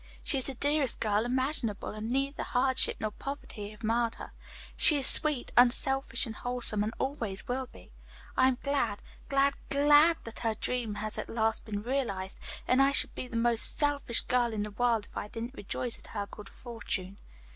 She is the dearest girl imaginable, and neither hardship nor poverty have marred her. She is sweet, unselfish and wholesome, and always will be. I am glad, glad, glad that her dream has at last been realized, and I should be the most selfish girl in the world if I didn't rejoice at her good fortune."